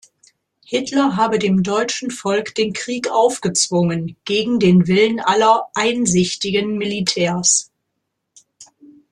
Hitler habe dem deutschen Volk den Krieg aufgezwungen, gegen den Willen aller „einsichtigen Militärs“.